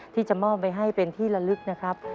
ที่จะมอบไปให้เป็นที่ละลึกนะครับ